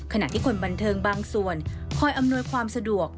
ขณะที่คนบันเทิงบางส่วนคอยอำนวยความสะดวก